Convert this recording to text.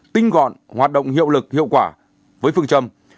tinh gọn hoạt động hiệu lực hiệu quả với phương châm